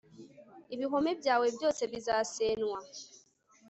ibihome byawe byose bizasenywa